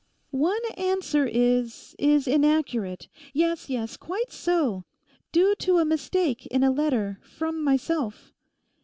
'One answer is—is inaccurate. 'Yes, yes, quite so: due to a mistake in a letter from myself.